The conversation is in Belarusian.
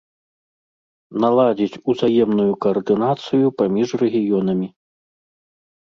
Наладзіць узаемную каардынацыю паміж рэгіёнамі.